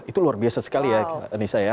itu luar biasa sekali ya nisa ya